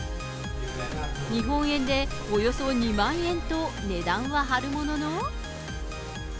日本円でおよそ２万円と値段は張るものの。